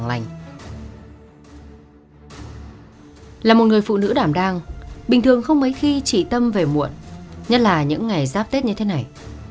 là một người phụ nữ đảm đang bình thường không mấy khi chị tâm về muộn nhất là những ngày giáp tết như thế này